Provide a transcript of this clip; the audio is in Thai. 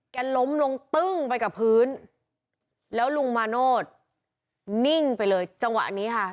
ล้มลงตึ้งไปกับพื้นแล้วลุงมาโนธนิ่งไปเลยจังหวะนี้ค่ะ